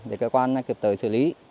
để cơ quan kịp tới xử lý